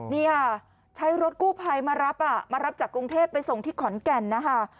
นี่ใช้รถกู้ไพมารับจากกรุงเทพฯไปส่งที่ขอนแก่นนะฮะ